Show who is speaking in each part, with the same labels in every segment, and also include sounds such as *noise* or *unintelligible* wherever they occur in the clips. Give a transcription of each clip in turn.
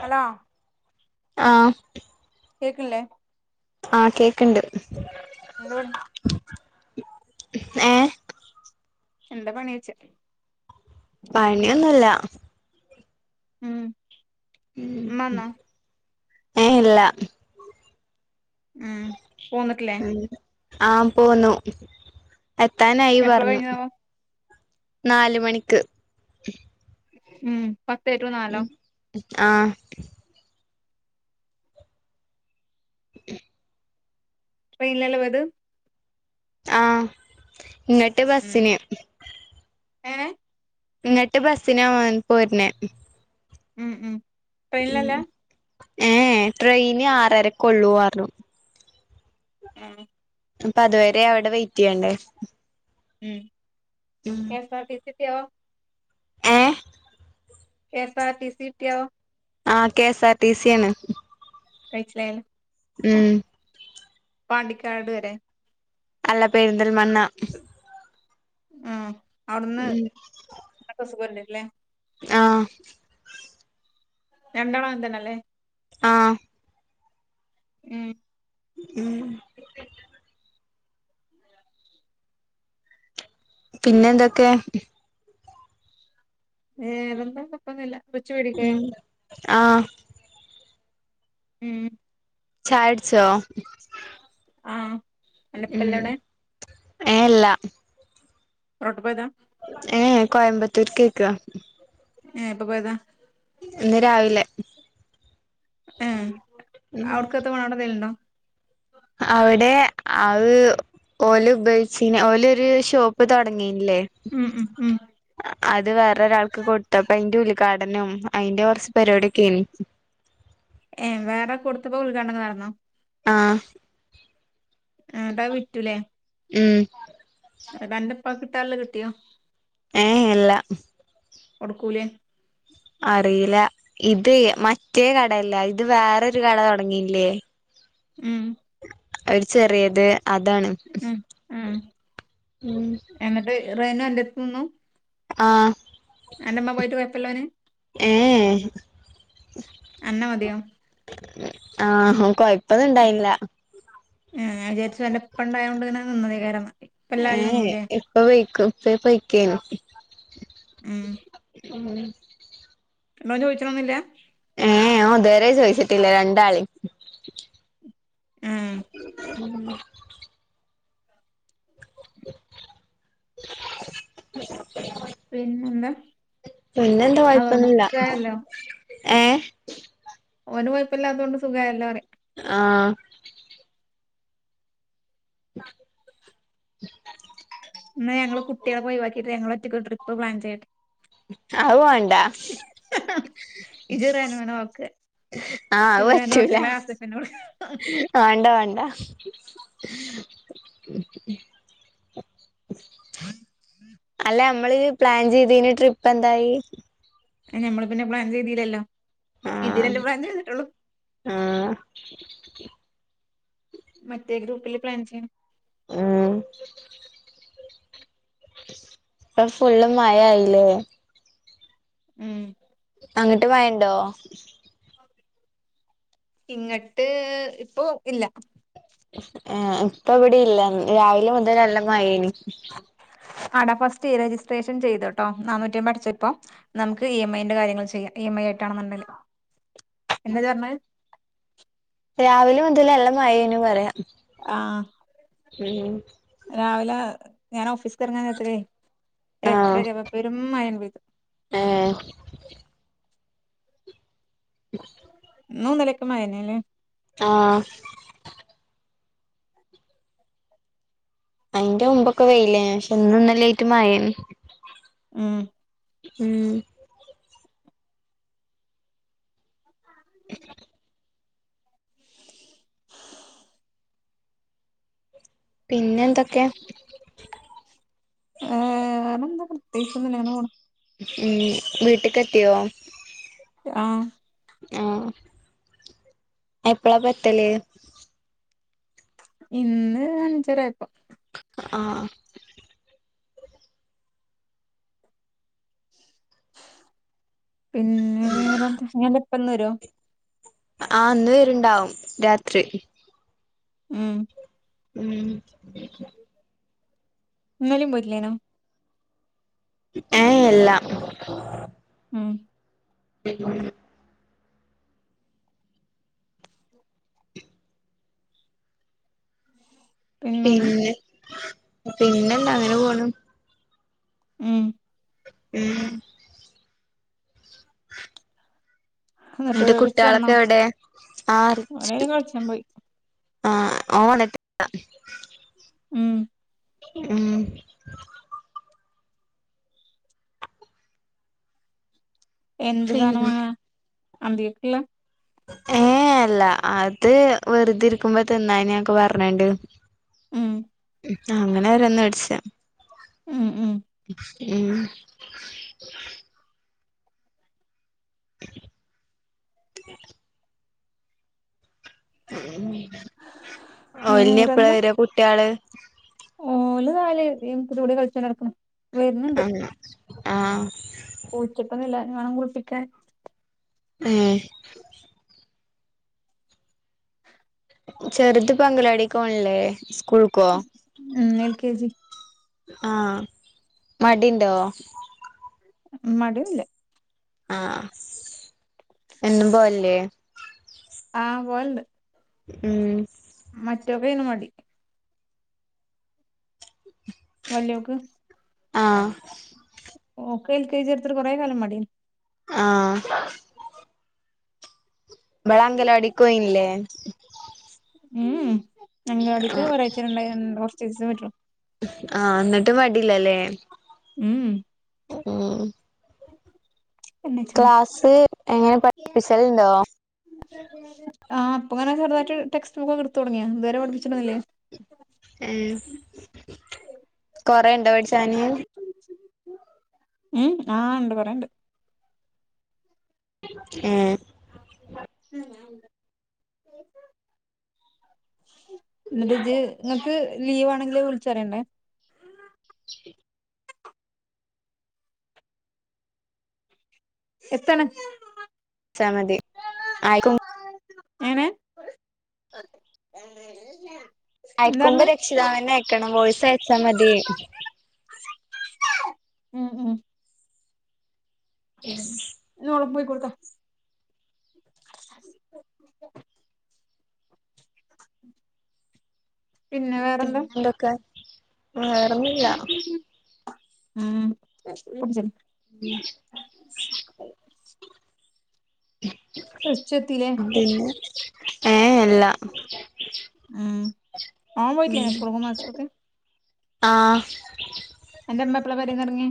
Speaker 1: Hello
Speaker 2: ആഹ
Speaker 1: കേക്കിണില്ലേ
Speaker 2: ആഹ കേക്കണ്ട്
Speaker 1: എന്താപണി
Speaker 2: ആഏ
Speaker 1: എന്താ പണി ചോയ്ച്ച്
Speaker 2: പണിയൊന്നുല്ല
Speaker 1: ഉം
Speaker 2: ഉ
Speaker 1: ഇമ്മന്നോ
Speaker 2: ഏ ഇല്ല
Speaker 1: ഉം പോന്നിട്ടില്ലേ
Speaker 2: ആഹ പോന്നു എത്താനായി
Speaker 1: എപ്പളാ
Speaker 2: പറഞ്ഞു
Speaker 1: കഴിഞ്ഞതാവോ
Speaker 2: നാലു മണിക്ക്
Speaker 1: ഉം പത്തേ റ്റു നാലോ
Speaker 2: ആഹ
Speaker 1: ട്രെയിനിലല്ലേ പോയത്
Speaker 2: ആഹ ഇങ്ങട്ട് ബസിന്
Speaker 1: ഏ
Speaker 2: ഇങ്ങട്ട് ബസ്സിനാ പോരുന്നെ
Speaker 1: ഉം ഉം ട്രെയിന്നല്ല
Speaker 2: ഏ ട്രെയിന് ആറരക്കുള്ളു പറഞ്ഞു
Speaker 1: ആഹ
Speaker 2: അപ്പൊ അതുവരെ അവിടെ വെയിറ്റ് ചെയ്യണ്ടേ
Speaker 1: ഉം K S R T C എത്തിയോ
Speaker 2: ഏ
Speaker 1: K S R T C കിട്ടിയോ
Speaker 2: ആഹ കെഎസ് ആർ ടി സി ആണ്
Speaker 1: കഴിച്ചില്ലേ
Speaker 2: ഉം
Speaker 1: പാണ്ടിക്കാട് വരെ
Speaker 2: അല്ല പെരിന്തൽമണ്ണ
Speaker 1: ഉം അവിടുന്ന്
Speaker 2: ഉം
Speaker 1: സുഖഇല്ല അല്ലെ
Speaker 2: ആഹ
Speaker 1: രണ്ടാളും അങ്ങനെതന്നെ അല്ലെ
Speaker 2: ആഹ
Speaker 1: ഉം
Speaker 2: ഉം പിന്നെന്തൊക്കെ
Speaker 1: വേറെന്താ കുഴപ്പന്നുല്ല കൊച്ചു പഠിക്കാ
Speaker 2: ആ
Speaker 1: ഉം
Speaker 2: ചായട്പ്പോ
Speaker 1: ആഹ അൻ്റപ്പല്ലെ ഔടെ
Speaker 2: ഏല്ല
Speaker 1: റൊട്ട്പോയതാ
Speaker 2: ഏ കോയമ്പത്തൂർക്കോയ്ക്ക.
Speaker 1: ഏ എപ്പൊ പോയതാ
Speaker 2: ഇന്ന് രാവിലെ
Speaker 1: ഏ ഔട്ക്കെത്തപോണ ഔടെ എന്തേലുണ്ടൊ.
Speaker 2: അവിടെ അഅ് ഓല് ഉപയോഗിച്ചിന ഓല് ഒരു ഷോപ്പ് തൊട്ങ്ങി. ല്ലേ
Speaker 1: ഉം ഉം ഉം
Speaker 2: അ. അത് വേറെരാൾക്ക് കൊട്ത്തപ്പൊ ഐൻ്റെ ഉൽഘാടനും ഐൻ്റെ കൊർച്ച് പരിപാടിഒകനി.
Speaker 1: ഏ വേറെ കൊടുത്തപ്പോ ഉൽഘാടനം നട്ന്നോ.
Speaker 2: ആഹ്
Speaker 1: ആ ന്നട്ടവ്വിറ്റൂലെ.
Speaker 2: മ്മ്...
Speaker 1: പ്പാക്ക് കിട്ടാള്ള് കിട്ടിയോ.
Speaker 2: ഏ അല്ല
Speaker 1: കൊടുക്കൂലേ
Speaker 2: അറീല ഇതേ മറ്റേ കടയല്ല ഇത് വേറൊരു കട തൊട്ങ്ങീല്ലേ.
Speaker 1: ഉം
Speaker 2: ഒരു ചെറിയത് അതാണ്
Speaker 1: ഉം
Speaker 2: ഉ
Speaker 1: റനു അൻ്റട്ത്തുന്നു.
Speaker 2: ആഹ
Speaker 1: എന്റെമ്മ പോയിട്ട് കുഴപ്പല്ലന്
Speaker 2: ഏ ഏ
Speaker 1: അന്ന മതിയോ
Speaker 2: ആഹ കൊഴപ്പൊന്നുണ്ടായില്ല.
Speaker 1: എ ഞാൻ വിചരിച്ച് ഇവന്റെ ഇപ്പ ണ്ടായോണ്ട് ങ്ങനെ നിന്ന തൈക്കാരന്ന്.
Speaker 2: ഏ എ ഇപ്പ പയിക്കും ഇപ്പ പയ്ക്കേ ന്നു.
Speaker 1: ഉം
Speaker 2: ഉം ഉം..
Speaker 1: മ്മ ചോയ്ച്ച്ണൊന്നൂല്ല.
Speaker 2: ഞാ ഇതുവരെ ചോയ്ച്ചിട്ടില്ല രണ്ടാളിം.
Speaker 1: ഉം പിന്നെന്താ
Speaker 2: പിന്നെന്താ
Speaker 1: അതുകൊണ്ട്
Speaker 2: കൊഴപ്പന്ന്ല്ല.
Speaker 1: സുഖായല്ലോ
Speaker 2: ഏ
Speaker 1: ഓന് കൊയ്പ്പല്ലാതോണ്ട് സുഖായല്ലോ റ്യ.
Speaker 2: ആ
Speaker 1: ന്ന് ഞങ്ങള് കുട്ട്യളൊക്കെ ഒഴിവാക്കിട്ട് ഞങ്ങള് ഒറ്റക്ക് ഒരു ട്രിപ്പ് പ്ലാൻ ചെയ്യട്ട്
Speaker 2: അഹ് വാണ്ട.
Speaker 1: ഹും ഇജ്റനൂനെ നോക്ക് സിദ്റൻ്റെ മക്കളെ ആസിഫ് നോട്.
Speaker 2: ഹ്.. വാണ്ട വാണ്ടാ ഹ്.. അല്ല മ്മള് പ്ലാൻ ചെയ്തീന ട്രിപ്പ് എന്തായി
Speaker 1: ഞമ്മള് പിന്നെ പ്ലാൻ ചെയ്തില്ലല്ലോ
Speaker 2: ആ
Speaker 1: ഇതിലല്ലേ പ്ലാൻ ചെയ്തിട്ടുള്ളൂ
Speaker 2: ആ
Speaker 1: മറ്റെ ഗ്രൂപ്പിൽ പ്ലാൻ ചെയ്യണം
Speaker 2: മ്മ് ഇപ്പം ഫുള്ള് മഴ ആയില്ലേ
Speaker 1: ഉം
Speaker 2: അങ്ങട്ട് മഴണ്ടോ
Speaker 1: ഇങ്ങട്ട് ഇപ്പൊ ഇല്ല
Speaker 2: ആ ഇപ്പൊ ഇവിടെ ഇല്ല രാവിലെ മുതൽ നല്ല മഴേനി
Speaker 1: ആ ടാ ഫസ്റ്റ് ഈ രജിസ്ട്രേഷൻ ചെയ്ത്ട്ടോ നാന്നൂറ്റിഅമ്പത് അടച്ച് ഇപ്പോം നമുക്ക് ഇ എം ഐ ന്റെ കാര്യങ്ങൾ ചെയ്യാം ഇ എം ഐ എന്താ ഇജ്ജ് പറഞ്ഞെ
Speaker 2: രാവിലെ മുതല് നല്ല മഴേനു പറയ
Speaker 1: ആ രാവിലെ ഞാൻ ഓഫീസ്
Speaker 2: ആഹ്
Speaker 1: *unintelligible* പേരും മഴ പെയ്‌തു
Speaker 2: ഏ *inaudible*
Speaker 1: ഇന്നും ഇന്നാലിം ഒക്കെ മഴ ന്നെ ലെ
Speaker 2: ആ അയിന്റെ മുമ്പൊക്കെ വെയിലേനി പക്ഷെ ഇന്നും ഇന്നലിം ആയിട്ട് മഴയാണ്
Speaker 1: ഉം
Speaker 2: ഉം *inaudible* പിന്നെ എന്തൊക്കെ
Speaker 1: ഏ വേറെ എന്താ പ്രത്യേകിച്ചൊന്നുല്ല അങ്ങനെ പോണു
Speaker 2: ഉം വീട്ട്ക്ക് എത്തിയോ
Speaker 1: ആ
Speaker 2: ആ എപ്പളാ പ്പൊ എത്തല്
Speaker 1: ഇന്ന് അഞ്ചരആയപ്പോ
Speaker 2: ആ
Speaker 1: പിന്നെ വേറെന്താ ഇഞ് അൻ്റെപ്പന്ന് വരോ
Speaker 2: ആ ഇന്ന് വരുണ്ടാവും രാത്രി
Speaker 1: ഉം
Speaker 2: ഉം
Speaker 1: ഇന്നലിം പോയ്ട്ടില്ലെനിയോ
Speaker 2: ഏ ഇല്ലാ
Speaker 1: ഉം
Speaker 2: *inaudible*
Speaker 1: പിന്നെന്ന്
Speaker 2: പിന്നെ പിന്നെന്താ അങ്ങനെ പോണു
Speaker 1: ഉം
Speaker 2: ഉം *inaudible*
Speaker 1: എന്നിട്ട്
Speaker 2: ന്നട്ട്
Speaker 1: റിച്ച് വന്നോ
Speaker 2: കുട്ട്യേളൊക്കെ എവിടെ ആറ്ച്ച്
Speaker 1: ഓനയ്ന് കളിച്ചാൻ പോയി
Speaker 2: ആഹ ഓന് വന്നിട്ടില്ല
Speaker 1: ഉം
Speaker 2: ഉം
Speaker 1: എന്ത് സാനം
Speaker 2: പിന്നെ
Speaker 1: വാങ്ങ അന്ദികക്ക്ള്ള
Speaker 2: ഏ അല്ല അത് വെറുതിരിക്കുമ്പോ തിന്നാനൊക്കെ പറഞാണ്ട്
Speaker 1: ഉം
Speaker 2: അങ്ങനെ ഓരോന്ന് വെടിച്ച
Speaker 1: ഉം ഉം
Speaker 2: ഉം *inaudible* ഓലിനി എപ്പഴാ
Speaker 1: വേറെന്താ
Speaker 2: വരാ കുട്ട്യാള്
Speaker 1: ഓല് നാല് ടീമ്സിന്റെ കൂടെ കളിച്ചാണ്ട് നടക്കണ്
Speaker 2: ആഹ് ആഹ്
Speaker 1: കുളിച്ചിട്ടൊന്നുല്ല ഇനിവേണം കുളുപ്പിക്കാൻ
Speaker 2: ഏ ചെറുത് ഇപ്പൊ അംഗനവാടിക്ക് പോകുന്നില്ലേ
Speaker 1: ഉം എൽ കെ ജി
Speaker 2: ആഹ മടിണ്ടോ
Speaker 1: മടിയൊന്നുല്ല
Speaker 2: ആ എന്നും പോവല്ലേ
Speaker 1: ആ പോവൽണ്ട്
Speaker 2: ഉം
Speaker 1: മറ്റോക്കെനു മടി വല്ലോക്ക്
Speaker 2: ആഹ്
Speaker 1: ഓക്ക് എൽ കെ ജി എടുത്തിട്ട് കൊറേ കാലം മടി
Speaker 2: ആഹ് ഇവൾ അങ്കലാടിക്കോയില്ലേ
Speaker 1: മ് മ് അംഗനവാടിക്ക് ഒരാഴ്ചേ രണ്ടായിരം രണ്ട് കുർചിസം പോയിട്ടൊള്ളൂ
Speaker 2: ആഹ് ന്നിട്ട് മടില്ലാലേ
Speaker 1: ഉം
Speaker 2: ഉം
Speaker 1: പിന്നെ
Speaker 2: ക്ലാസ് എങ്ങനെ പഠിപ്പിച്ചലുണ്ടോ
Speaker 1: ആഹ് ഇപ്പങ്ങനെ ചെറുതായിട്ട് ടെസ്റ്റ് ബുക്കൊക്കെ എടുത്ത് തുടങ്ങിയാ ഇതുവരെ പഠിപ്പിച്ചിട്ടൊന്നൂല്ല്യേ
Speaker 2: ഹ്മ് കൊറെണ്ടോ പഠിച്ചാന്
Speaker 1: ഉം ആഹ് ഉണ്ട് കുറേയുണ്ട്
Speaker 2: ഉം
Speaker 1: *inaudible* എന്നിട്ട് ജ്ജ് നിങ്ങക്ക് ലീവാണെങ്കിൽ വിളിച്ചറിയണ്ടേ എത്തന
Speaker 2: ച്ചാമതി ആയിക്ക
Speaker 1: എങ്ങനെ എന്താ
Speaker 2: അയക്കുമ്പ
Speaker 1: പറഞ്ഞ്
Speaker 2: രക്ഷിതാവാന്നെ അയക്കണം വോയ്സ് അയച്ചാ മതി
Speaker 1: ഉം ഉം
Speaker 2: യെസ്
Speaker 1: ഇന്ന് ഓളെ പോയി കൊടുത്തോ
Speaker 2: പിന്നെ എന്തൊക്കെ വേറൊന്നുല്ല
Speaker 1: ഉം റിച്ചു എത്തില്ലേ
Speaker 2: പിന്നെ ഏ അല്ല
Speaker 1: ഓമ്പോയിട്ടില്ലേ സ്‌കൂൾക്കും മദ്രസികൊക്കെ
Speaker 2: ആഹ്
Speaker 1: അന്റെയുമ്മ എപ്പളാ പേരന്ന്റങ്ങി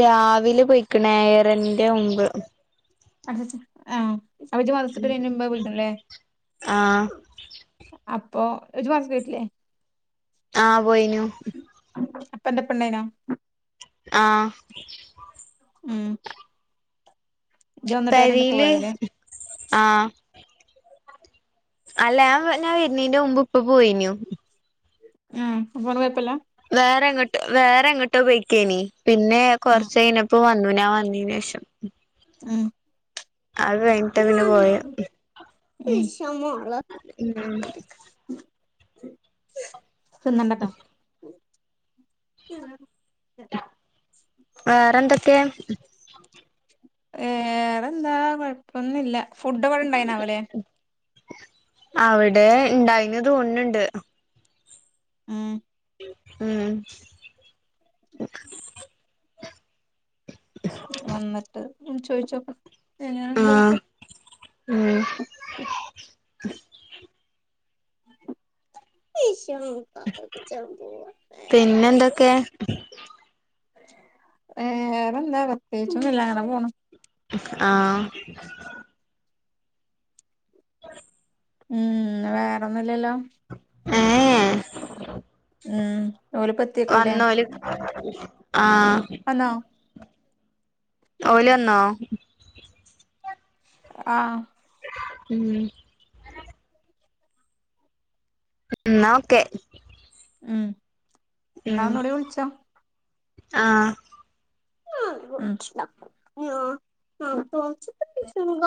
Speaker 2: രാവിലെ പോയിക്കണ് ഏഴരൻ്റെ മുമ്പ്
Speaker 1: ആഹ് അപ്പോജ്ജ് മദ്രസിക്ക് വരുന്നേ മുമ്പേ വിടുമല്ലേ
Speaker 2: ആഹ്
Speaker 1: ഇപ്പൊ ഇജ്ജ് മദ്രസക്ക് പോയിട്ടില്ലേ
Speaker 2: ആഹ് പോയിനു
Speaker 1: പ്പൊ അൻ്റെപ്പ ഇണ്ടായിനോ
Speaker 2: ആഹ്
Speaker 1: ഉം ഇജ്ജ് വന്നിട്ട് നേരെ അന്റെ ഉപ്പ
Speaker 2: പേരേൽ
Speaker 1: പോയതാല്ലേ
Speaker 2: ആ അല്ല ഞാൻ വരുന്നീന്റെ മുമ്പ് ഇപ്പ പോയിനു
Speaker 1: ഉം അപ്പോന് കൊഴുപ്പല്ല
Speaker 2: വേറെ എങ്ങോട്ട് വേറെ എങ്ങോട്ടോ പോയിക്കാനി പിന്നെ
Speaker 1: ഉം
Speaker 2: കൊറച്ച ഇപ്പൊ വന്നു ഞാൻ വന്നിന് ശേഷം
Speaker 1: മ്
Speaker 2: അത് കഴിഞ്ഞിട്ട് പിന്നെ പോയ
Speaker 1: വിഷമ *unintelligible* തിന്നണ്ടാട്ടോ മ്
Speaker 2: വേറെന്തൊക്കെ
Speaker 1: വേറെന്താ കൊഴപ്പൊന്നുല്ല ഫുഡ് അവിടെ ഇണ്ടായിനാവലെ
Speaker 2: അവിടെ ഉണ്ടായിന്ന തോന്നണ്ട്
Speaker 1: മ്
Speaker 2: ഉം
Speaker 1: വന്നിട്ട് ചോദിച്ചോക്കണം എങ്ങനെണ്ട്
Speaker 2: ആഹ് ഉം പിന്നെന്തൊക്കെ
Speaker 1: *unintelligible* വേറെന്താ പ്രത്യേകിച്ചൊന്നൂല്ല അങ്ങനെ പോണു
Speaker 2: ആ
Speaker 1: മ് വേറൊന്നുംല്ലല്ലോ
Speaker 2: ആ
Speaker 1: മ്
Speaker 2: വന്നല് ആ
Speaker 1: വന്നോ
Speaker 2: ഓലന്നോ
Speaker 1: ആ
Speaker 2: മ് എന്നാ ഓക്കെ
Speaker 1: മ് എന്നാ ഒന്നൂടി വിളിച്ചോ
Speaker 2: ആ
Speaker 1: *unintelligible*